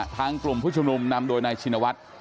กลุ่มผู้ชุมนุมนำโดยนายชินวัฒน์